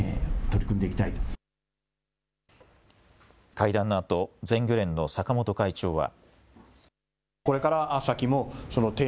会談のあと全漁連の坂本会長は。